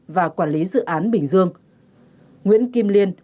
và quản lý dự án bình dương nguyễn kim liên